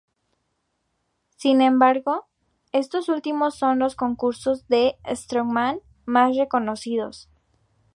Sin embargo, estos últimos son los concursos de strongman más reconocidos.